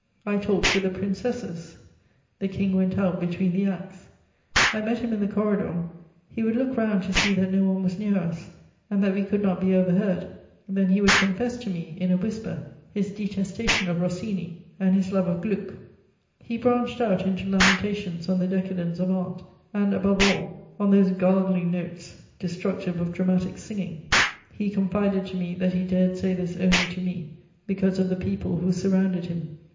I talked with the Princesses; the King went out between the acts; I met him in the corridor: he would look round to see that no one was near us and that we could not be overheard; then he would confess to me, in a whisper, his detestation of Rossini and his love of Gluck. He branched out into lamentations on the decadence of art, and, above all, on those gargling notes destructive of dramatic singing: he confided to me that he dared say this only to me, because of the people who surrounded him.